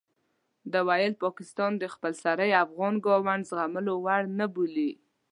ده وویل پاکستان د خپل سرۍ افغان ګاونډ زغملو وړ نه بولي.